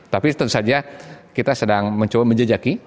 tapi tentu saja kita sedang mencoba menjejaki